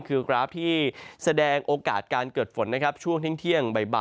คือแบบ